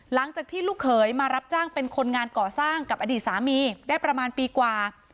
หลังจากที่ลูกเขยมารับจ้างเป็นคนงานก่อสร้างกับอดีตสามีได้ประมาณปีกว่า